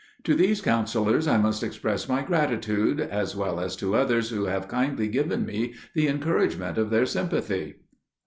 _ _To these counsellors I must express my gratitude, as well as to others who have kindly given me the encouragement of their sympathy.